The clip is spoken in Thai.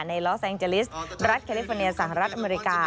ลอสแซงเจลิสรัฐแคลิฟอร์เนียสหรัฐอเมริกา